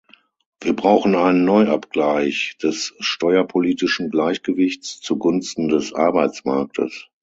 Wir brauchen einen Neuabgleich des steuerpolitischen Gleichgewichts zugunsten des Arbeitsmarktes.